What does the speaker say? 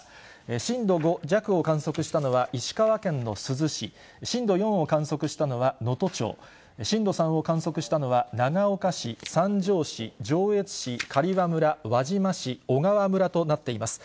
震度５弱を観測したのは、石川県の珠洲市、震度４を観測したのは能登町、震度３を観測したのは長岡市、三条市、上越市、刈羽村、輪島市、小川村となっています。